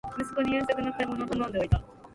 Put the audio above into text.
息子に夕食の買い物を頼んでおいた